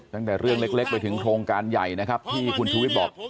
ตั้งแต่เรื่องเล็กไปถึงโครงการใหญ่นะครับที่คุณชูวิทย์บอก